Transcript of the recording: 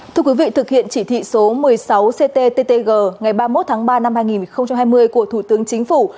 thưa quý vị thực hiện chỉ thị số một mươi sáu cttg ngày ba mươi một tháng ba năm hai nghìn hai mươi của thủ tướng chính phủ